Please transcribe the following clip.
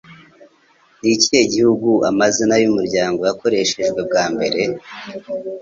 Ni ikihe gihugu Amazina Yumuryango Yakoreshejwe bwa mbere?